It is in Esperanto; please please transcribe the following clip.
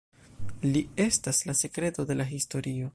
Li estas la sekreto de la historio.